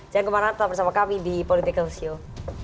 jangan kemana mana tetap bersama kami di political show